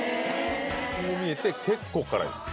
こう見えて結構辛いです